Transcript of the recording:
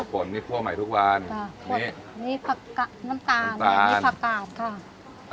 ถั่วป่นนี่พั่วใหม่ทุกวันอ่านี่นี่ผักกะน้ำตาลน้ำตาลนี่ผักกาดค่ะ